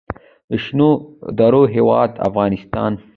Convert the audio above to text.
د شنو درو هیواد افغانستان.